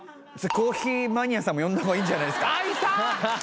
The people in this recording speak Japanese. コーヒーマニアさんも呼んだ方がいいんじゃないですかあっいた！